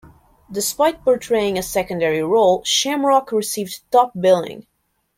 Despite portraying a secondary role, Shamrock received top billing.